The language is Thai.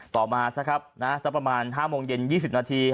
ต่อมาซะครับประมาณ๕โมงเย็น๒๐นาที